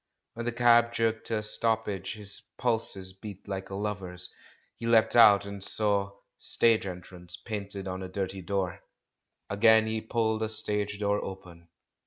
When the cab jerked to a stoppage, his pulses beat like a lover's. He leapt out, and saw "Stage Entrance" painted on a dirty door. Again he pulled a stage door open.